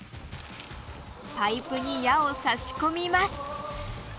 パイプに矢を差し込みます。